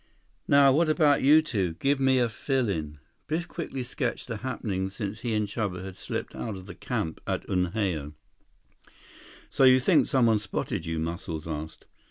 "Now what about you two? Give me a fill in." Biff quickly sketched the happenings since he and Chuba had slipped out of the camp at Unhao. "So you think someone's spotted you?" Muscles asked.